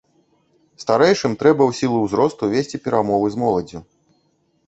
Старэйшым трэба ў сілу ўзросту весці перамовы з моладдзю.